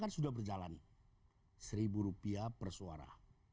sudah berjalan seribu rupiah persuara